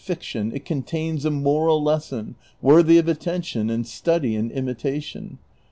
279 fiction it contains a moral lesson worthy of attention and study and imitation.